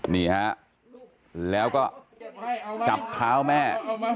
นี่ฮะแล้วก็จับเท้าแม่